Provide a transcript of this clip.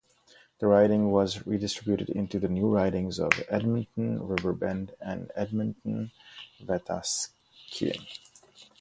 The riding was redistributed into the new ridings of Edmonton Riverbend and Edmonton-Wetaskiwin.